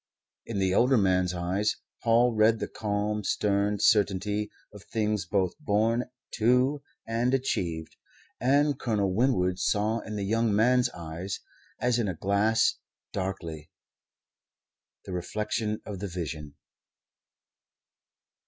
In the older man's eyes Paul read the calm, stern certainty of things both born to and achieved; and Colonel Winwood saw in the young man's eyes, as in a glass darkly, the reflection of the Vision.